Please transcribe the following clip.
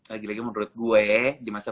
lagi lagi menurut gue di masa